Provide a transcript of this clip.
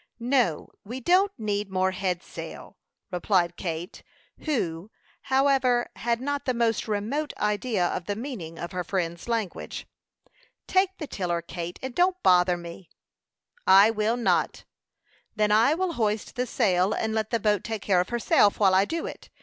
"No, we don't need more head sail," replied Kate, who, however, had not the most remote idea of the meaning of her friend's language. "Take the tiller, Kate, and don't bother me." "I will not." "Then I will hoist the sail, and let the boat take care of herself while I do it.